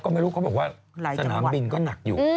ก็ไม่รู้เขาบอกว่าสนามบินก็หนักอยู่